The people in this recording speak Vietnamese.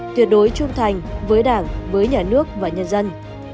tuyệt đối trung thành với đảng với nhà nước và nhân dân